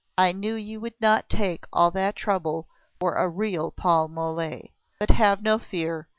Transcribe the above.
I knew you would not take all that trouble for a real Paul Mole. But have no fear!